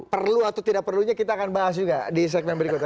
perlu atau tidak perlunya kita akan bahas juga di segmen berikutnya